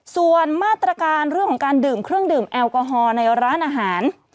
ส่วนมาตรการเรื่องของการดื่มเครื่องดื่มแอลกอฮอล์ในร้านอาหาร